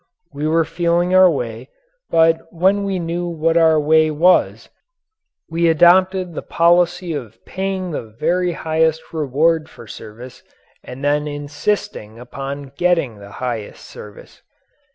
We were feeling our way, but when we knew what our way was, we adopted the policy of paying the very highest reward for service and then insisting upon getting the highest service.